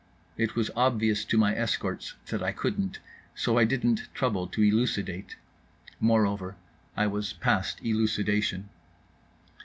It was obvious to my escorts that I couldn't, so I didn't trouble to elucidate. Moreover, I was past elucidation.